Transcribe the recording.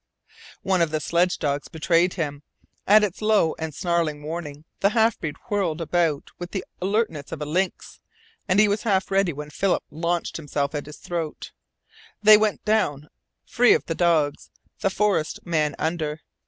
One of the sledge dogs betrayed him. At its low and snarling warning the half breed whirled about with the alertness of a lynx, and he was half ready when Philip launched himself at his throat. They went down free of the dogs, the forest man under.